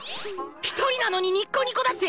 １人なのにニッコニコだし！